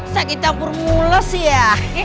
sakit ampur mules ya